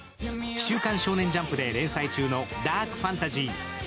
「週刊少年ジャンプ」で連載中のダークファンタジー。